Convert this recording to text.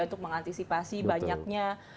untuk mengantisipasi banyaknya